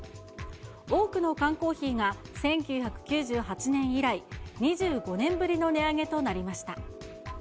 多くの缶コーヒーが１９９８年以来、２５年ぶりの値上げとなりました。